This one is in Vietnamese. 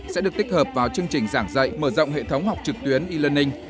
sẽ được tích hợp vào chương trình giảng dạy mở rộng hệ thống học trực tuyến e learning